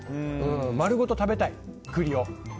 丸ごと食べたい、栗を。